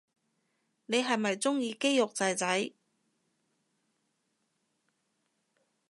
你係咪鍾意肌肉仔仔